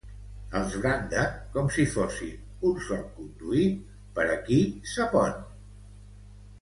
Els branda com si fossin un salconduit per a qui sap on.